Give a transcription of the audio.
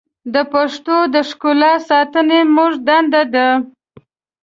د پښتو د ښکلا ساتنه زموږ دنده ده.